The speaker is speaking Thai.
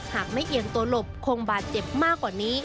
หากไม่เอียงตัวหลบคงบาดเจ็บมากกว่านี้